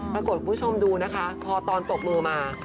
คุณผู้ชมดูนะคะพอตอนตบมือมา